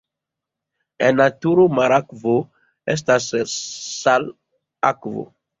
En naturo marakvo estas salakvo.